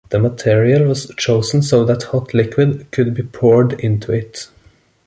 The material was chosen so that hot liquid could be poured into it.